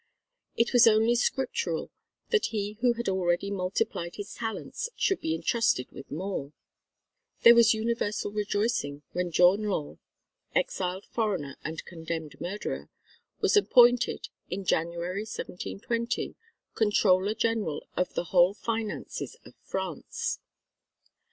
It was only scriptural that he who had already multiplied his talents should be entrusted with more. There was universal rejoicing when John Law exiled foreigner and condemned murderer was appointed, in January, 1720, Controller General of the whole finances of France.